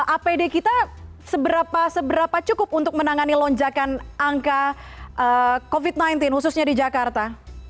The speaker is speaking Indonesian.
apd kita seberapa cukup untuk menangani lonjakan angka covid sembilan belas khususnya di jakarta